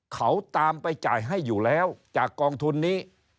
เขาตามไปจ่ายให้อยู่แล้วจากกองทุนนี้